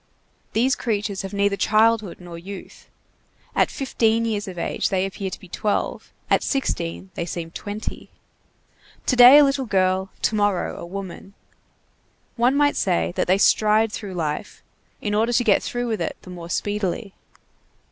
These creatures have neither childhood nor youth. At fifteen years of age they appear to be twelve, at sixteen they seem twenty. To day a little girl, to morrow a woman. One might say that they stride through life, in order to get through with it the more speedily.